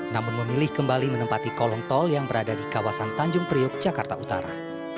namun memilih kembali menempati kolong tol yang berada di kawasan tanjung priuk jakarta utara